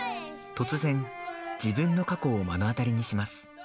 突然、自分の過去を目の当たりにします。